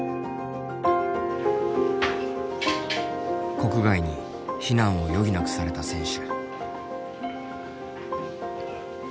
国外に避難を余儀なくされた選手。